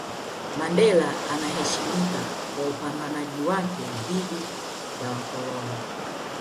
Mandela anaheshimika kwa upambanaji wake dhidi ya wakoloni